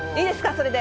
それで。